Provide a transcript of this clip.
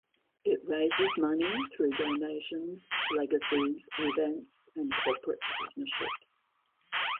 It raises money through donations, legacies, events and corporate partnerships.